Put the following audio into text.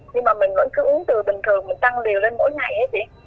nhưng mà mình vẫn cứ uống từ bình thường mình tăng liều lên mỗi ngày chị